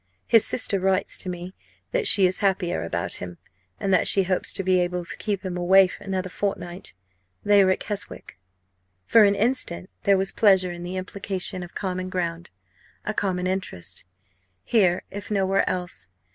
"His sister writes to me that she is happier about him, and that she hopes to be able to keep him away another fortnight. They are at Keswick." For an instant there was pleasure in the implication of common ground, a common interest here if no where else.